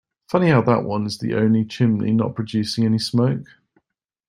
Funny how that one is the only chimney not producing any smoke.